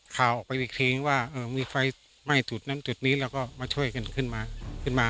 ข่าวออกไปอีกทีว่ามีไฟไหม้จุดนั้นจุดนี้แล้วก็มาช่วยกันขึ้นมาขึ้นมา